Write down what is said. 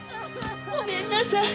ごめんなさい！